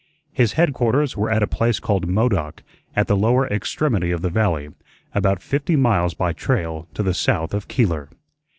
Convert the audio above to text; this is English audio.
His headquarters were at a place called Modoc, at the lower extremity of the valley, about fifty miles by trail to the south of Keeler.